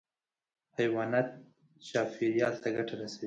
حیوانات چاپېریال ته ګټه رسوي.